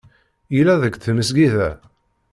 Yella deg tmesgida.